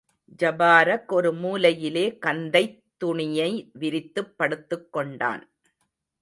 ஜபாரக் ஒரு மூலையிலே கந்தைத் துணியை விரித்துப் படுத்துக் கொண்டான்.